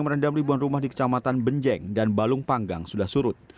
merendam ribuan rumah di kecamatan benjeng dan balung panggang sudah surut